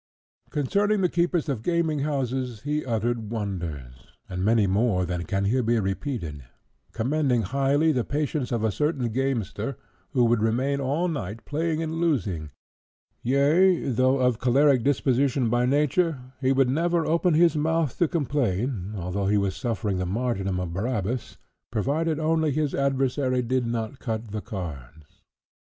Concerning the keepers of gaming houses he uttered wonders, and many more than can here be repeated—commending highly the patience of a certain gamester, who would remain all night playing and losing; yea, though of choleric disposition by nature, he would never open his mouth to complain, although he was suffering the martyrdom of Barabbas, provided only his adversary did not cut the cards.